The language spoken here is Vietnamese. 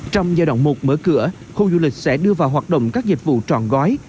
trong giai đoạn một mở cửa khu du lịch sẽ đưa vào hoạt động các dịch vụ trọn gói